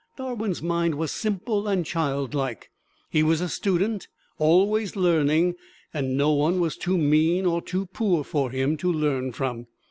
Darwin's mind was simple and childlike. He was a student, always learning, and no one was too mean or too poor for him to learn from.